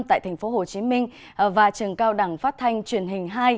tại tp hcm và trường cao đẳng phát thanh truyền hình hai